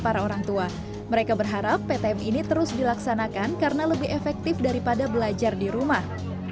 para orang tua mereka berharap ptm ini terus dilaksanakan karena lebih efektif daripada belajar di rumah